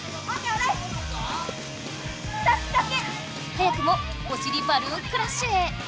早くもお尻バルーンクラッシュへ！